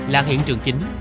là hiện trường chính